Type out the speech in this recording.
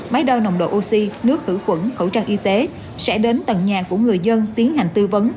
máy đo nồng độ oxy nước khử khuẩn khẩu trang y tế sẽ đến tầng nhà của người dân tiến hành tư vấn